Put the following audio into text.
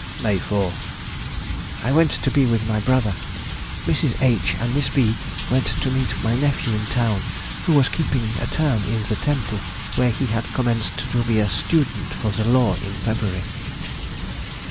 May 4th.—I went to be with my brother. Mrs. H. and Miss B. went to meet my nephew in town, who was keeping a term in the Temple, where he had commenced to be a student for the law in February.